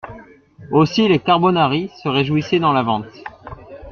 Aussi les carbonari se réjouissaient dans la Vente.